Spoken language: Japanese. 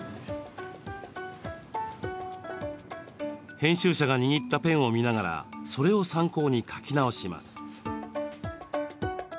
編集者が握ったペンを見ながらそれを参考に描き直します。